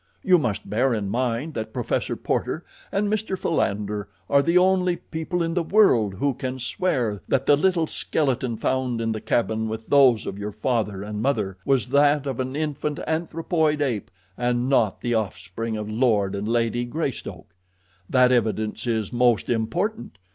You must bear in mind that Professor Porter and Mr. Philander are the only people in the world who can swear that the little skeleton found in the cabin with those of your father and mother was that of an infant anthropoid ape, and not the offspring of Lord and Lady Greystoke. That evidence is most important.